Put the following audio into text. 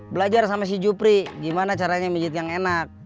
belajar sama si jupri gimana caranya mijit yang enak